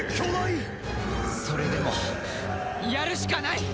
それでもやるしかない！